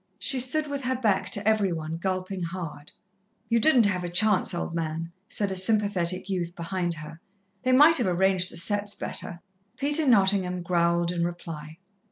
She stood with her back to every one, gulping hard. "You didn't have a chance, old man," said a sympathetic youth behind her. "They might have arranged the setts better." Peter Nottingham growled in reply.